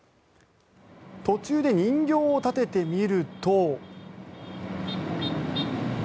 途中で人形を立ててみると。